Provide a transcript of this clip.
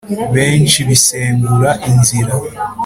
benshi bisengura inzira